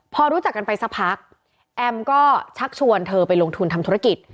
พอรู้จักกันไปสักพักแอมก็ชักชวนเธอไปลงทุนทำธุรกิจ